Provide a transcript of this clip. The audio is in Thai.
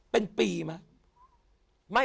เป็นปีมั้ย